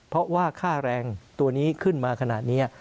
เพราะว่าค่าแรงตัวนี้ขึ้นมาขนาดนี้